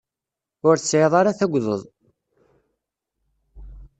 Ur tesɛiḍ ara tagdeḍ.